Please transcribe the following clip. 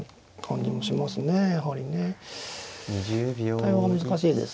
対応が難しいです。